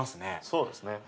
そうですね